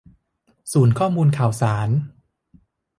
ศูนย์ข้อมูลข่าวสาร